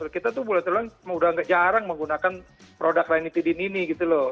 kita tuh boleh dibilang jarang menggunakan produk ranitidin ini gitu loh